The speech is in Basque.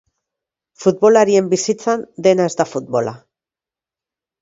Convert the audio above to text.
Futbolarien bizitzan, dena ez da futbola.